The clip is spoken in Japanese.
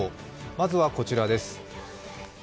まずはこちらです。